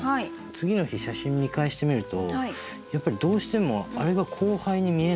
次の日写真見返してみるとやっぱりどうしてもあれが後輩に見えないというか。